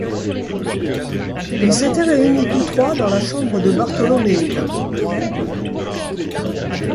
Ils étaient réunis tous trois dans la chambre de Bartholoméo.